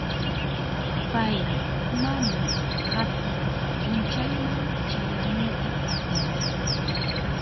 Pay mana hatun p'unchayman chayamuyta atinchu.